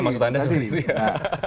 maksud anda seperti itu ya